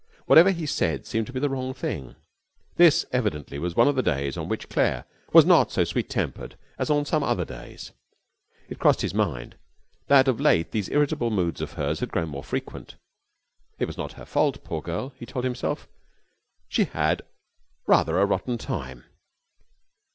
Whatever he said seemed to be the wrong thing. This evidently was one of the days on which Claire was not so sweet tempered as on some other days. It crossed his mind that of late these irritable moods of hers had grown more frequent. It was not her fault, poor girl! he told himself. She had rather a rotten time.